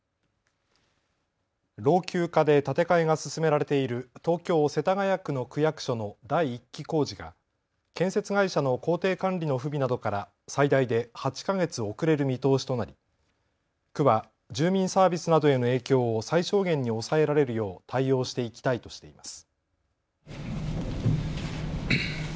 老朽化で建て替えが進められている東京世田谷区の区役所の第１期工事が建設会社の工程管理の不備などから最大で８か月遅れる見通しとなり区は住民サービスなどへの影響を最小限に抑えられるよう対応していきたいとしています。